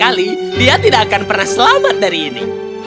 kau tidak akan selamat dari ini